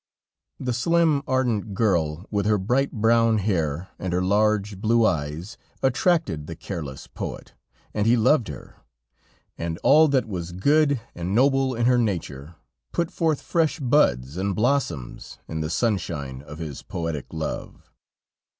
The slim, ardent girl, with her bright, brown hair and her large blue eyes, attracted the careless poet, and he loved her, and all that was good and noble in her nature, put forth fresh buds and blossoms in the sunshine of his poetic love.